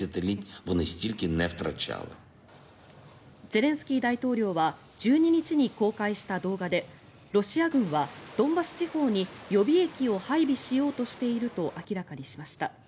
ゼレンスキー大統領は１２日に公開した動画でロシア軍はドンバス地方に予備役を配備しようとしていると明らかにしました。